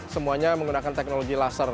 semuanya menggunakan teknologi laser